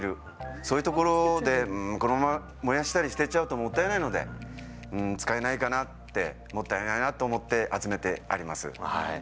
そういうところでこのまま燃やしたり捨てちゃうともったいないので使えないかなってもったいないなって思って集めてあります。